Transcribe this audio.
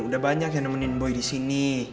udah banyak yang nemenin boy di sini